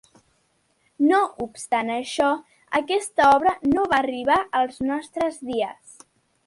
No obstant això, aquesta obra no va arribar als nostres dies.